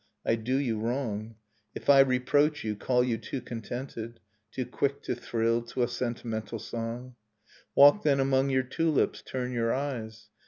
I do you wrong If I reproach you, call you too contented, Too quick to thrill to a sentimental song. Walk, then, among your tulips, turn your eyes.